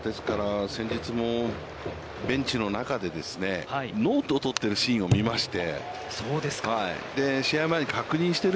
先日も、ベンチの中で、ノートを取ってるシーンを見まして、試合前に確認して。